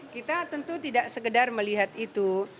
kita tentu tidak sekedar melihat itu